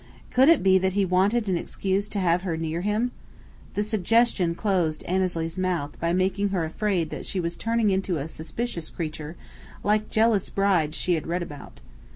Could it be that he wanted an excuse to have her near him? The suggestion closed Annesley's mouth by making her afraid that she was turning into a suspicious creature, like jealous brides she had read about.